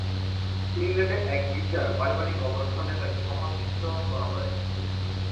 ইংল্যান্ডের এক গির্জার পারিবারিক কবরস্থানে তাকে সমাধিস্থ করা হয়েছে।